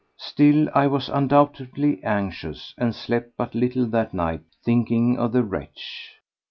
Still, I was undoubtedly anxious, and slept but little that night thinking of the wretch.